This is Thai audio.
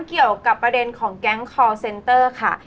เกี่ยวกับประเด็นของแก๊งคอร์เซนเตอร์ค่ะ